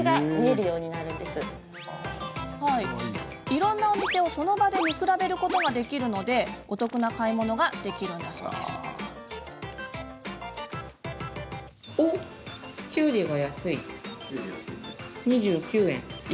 いろんなお店を、その場で見比べることができるのでお得な買い物ができるといいます。